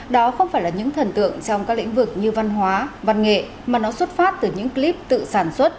đó không phải là những thần tượng trong các lĩnh vực như văn hóa văn nghệ mà nó xuất phát từ những clip tự sản xuất